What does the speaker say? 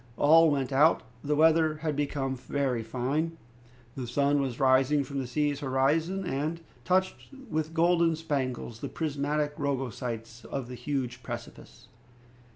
All went out. The weather had become very fine. The sun was rising from the sea's horizon, and touched with golden spangles the prismatic rugosities of the huge precipice.